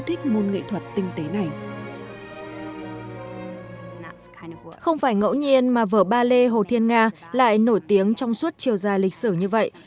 tuy nhiên mà vở ba lê hồ thiên nga lại nổi tiếng trong suốt chiều dài lịch sử như vậy